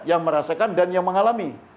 yang merasakan dan yang mengalami